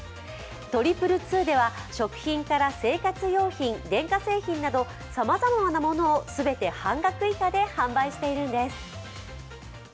２２２では食品から生活用品、電化製品などさまざまなものを全て半額以下で販売しているんです。